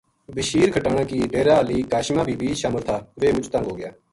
بشیر کھٹانہ کی ڈیرا ہالی کاشماں بی بی شامل تھا ویہ مُچ تنگ ہوگیا